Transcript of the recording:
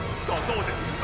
だそうです。